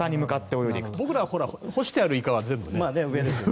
僕らは干してあるイカは全部上ですけど。